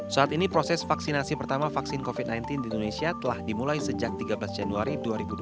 saat ini proses vaksinasi pertama vaksin covid sembilan belas di indonesia telah dimulai sejak tiga belas januari dua ribu dua puluh